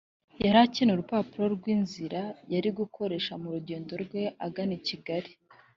yari akeneye urupapuro rw’inzira yari gukoresha mu rugendo rwe agana i Kigali